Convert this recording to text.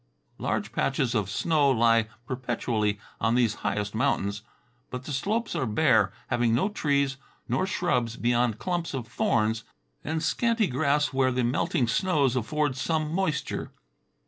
Large patches of snow lie perpetually on these highest mountains, but the slopes are bare, having no trees nor shrubs beyond clumps of thorns and scanty grass where the melting snows afford some moisture.